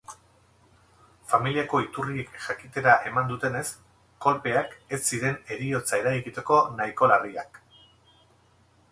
Familiako iturriek jakitera eman dutenez, kolpeak ez ziren heriotza eragiteko nahikoa larriak.